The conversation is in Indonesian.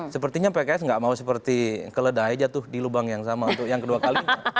sepertinya pks nggak mau seperti keledai jatuh di lubang yang sama untuk yang kedua kalinya